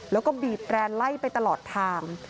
แล้วก็บีบแรนไล่ไปตลอดทาง